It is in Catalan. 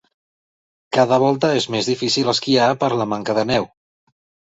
Cada volta és més difícil esquiar per la manca de neu.